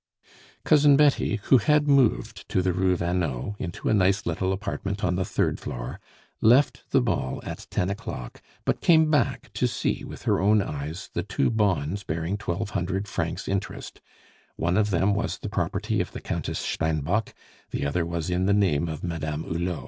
Cousin Betty, who had moved to the Rue Vanneau, into a nice little apartment on the third floor, left the ball at ten o'clock, but came back to see with her own eyes the two bonds bearing twelve hundred francs interest; one of them was the property of the Countess Steinbock, the other was in the name of Madame Hulot.